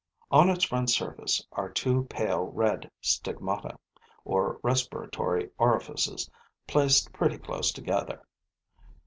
On its front surface are two pale red stigmata, or respiratory orifices, placed pretty close together.